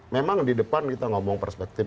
memang di depan kita ngomong perspektif